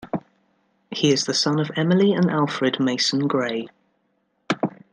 He is the son of Emily and Alfred Mason Gray.